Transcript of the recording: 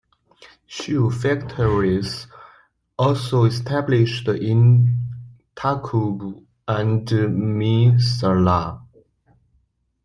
Shoe factories also established in Takbou and M'salah.